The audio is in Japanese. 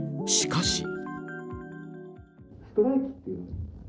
しかし。